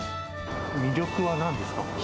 魅力はなんですか？